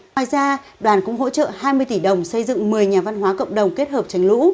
ngoài ra đoàn cũng hỗ trợ hai mươi tỷ đồng xây dựng một mươi nhà văn hóa cộng đồng kết hợp tránh lũ